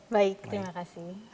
baik terima kasih